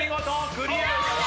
クリア！